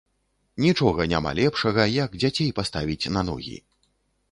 Нічога няма лепшага, як дзяцей паставіць на ногі.